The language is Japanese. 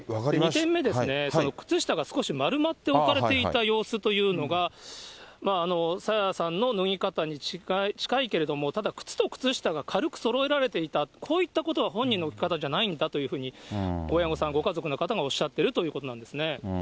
２点目ですね、靴下が少し丸まって置かれていた様子というのが、朝芽さんの脱ぎ方に近いけれども、ただ、靴と靴下が軽くそろえられていた、こういったことは本人の置き方じゃないんだというふうに、親御さん、ご家族の方がおっしゃってるということなんですね。